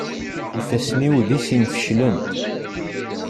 Ifassen-iw di sin feclen.